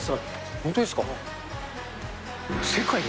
本当ですか？